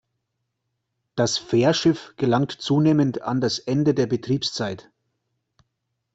Das Fährschiff gelangt zunehmend an das Ende der Betriebszeit.